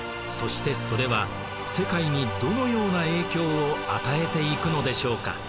そしてそれは世界にどのような影響を与えていくのでしょうか？